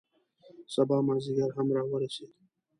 سبا مازدیګر هم را ورسید.